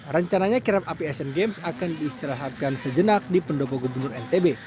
rencananya kirap api asian games akan diistirahatkan sejenak di pendopo gubernur ntb